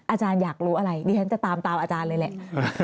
อาจารย์อยากรู้อะไรดิฉันจะตามตามอาจารย์เลยแหละ